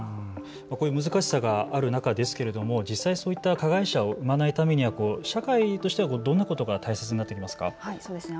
こういう難しさがある中ですけれども実際そういった加害者を生まないためには社会としてどんなことが大切になってきますか。